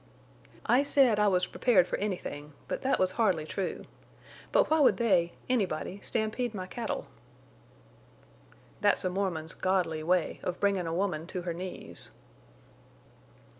"I said I was prepared for anything; but that was hardly true. But why would they—anybody stampede my cattle?" "That's a Mormon's godly way of bringin' a woman to her knees."